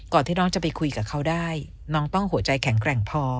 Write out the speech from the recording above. ที่น้องจะไปคุยกับเขาได้น้องต้องหัวใจแข็งแกร่งพอ